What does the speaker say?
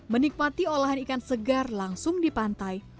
menikmati olahan ikan segar langsung di pantai